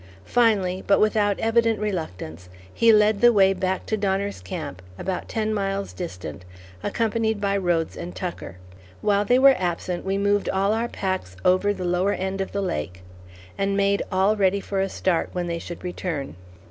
Finally, but without evident reluctance, he led the way back to Donner's Camp, about ten miles distant, accompanied by Rhodes and Tucker. While they were absent we moved all our packs over the lower end of the lake, and made all ready for a start when they should return.